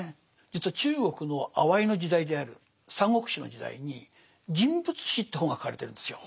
実は中国のあわいの時代である「三国志」の時代に「人物志」という本が書かれてるんですよ。